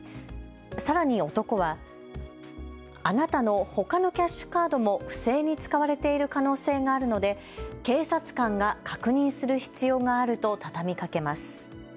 さらに男は、あなたのほかのキャッシュカードも不正に使われている可能性があるので警察官が確認する必要があると畳みかけます。